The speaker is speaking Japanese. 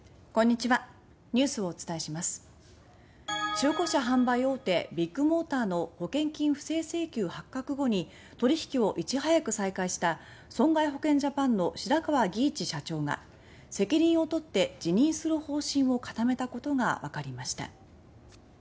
中古車販売大手ビッグモーターの保険金不正請求発覚後に取引をいち早く再開した損害保険ジャパンの白川儀一社長が責任を取って辞任する方針を固めたことが分かりました。